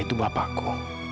dia itu bapakku